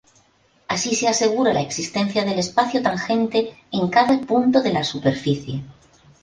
Así se asegura la existencia del espacio tangente en cada punto de la superficie.